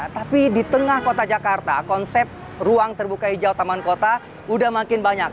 tapi di tengah kota jakarta konsep ruang terbuka hijau taman kota udah makin banyak